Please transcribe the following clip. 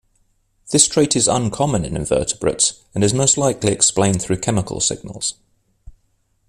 This trait is uncommon in invertebrates and is most likely explained through chemical signals.